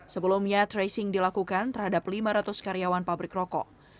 sebelumnya tracing dilakukan terhadap lima ratus karyawan pabrik rokok